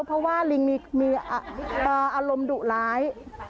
เพราะว่าลิงมีอารมณ์ดุร้าย